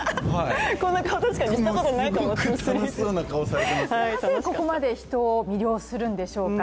なぜここまで人を魅了するんでしょうか。